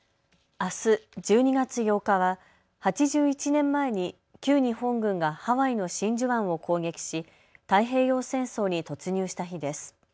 あす１２月８日は８１年前に旧日本軍がハワイの真珠湾を攻撃し太平洋戦争に突入した日です。